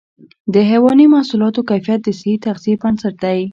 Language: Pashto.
د حيواني محصولاتو کیفیت د صحي تغذیې بنسټ دی.